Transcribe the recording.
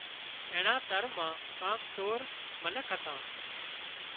اينڻا تۯ مان ڪانڪ سور منک هتان